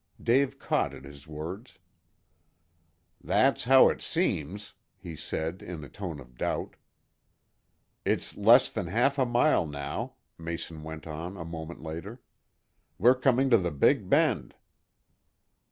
Dave caught at his words. "That's how it seems," he said, in a tone of doubt. "It's less than half a mile now," Mason went on a moment later. "We're coming to the big bend."